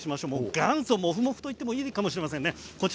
元祖モフモフといってもいいかもしれませんね。